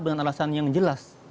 dengan alasan yang jelas